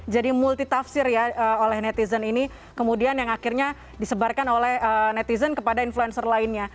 jadi multi tafsir ya oleh netizen ini kemudian yang akhirnya disebarkan oleh netizen kepada influencer lainnya